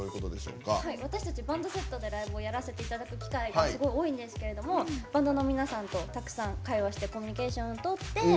私たちライブセットでライブをやらせていただく機会がすごい多いんですけどもバンドの皆さんとたくさん会話してコミュニケーションをとって